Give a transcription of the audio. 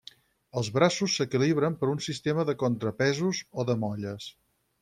Els braços s'equilibren per un sistema de contrapesos o de molles.